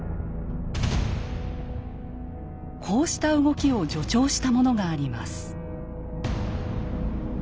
こうした動きを助長したものがあります。